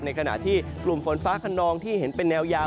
ขณะที่กลุ่มฝนฟ้าขนองที่เห็นเป็นแนวยาว